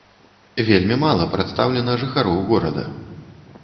Вельмі мала прадстаўлена жыхароў горада.